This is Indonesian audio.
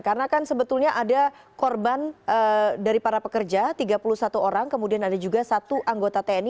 karena kan sebetulnya ada korban dari para pekerja tiga puluh satu orang kemudian ada juga satu anggota tni